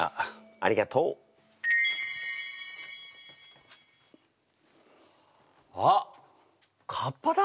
ありがとう！あっかっぱだ！